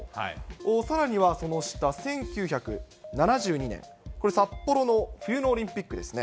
さらにはその下、１９７２年、これ、札幌の冬のオリンピックですね。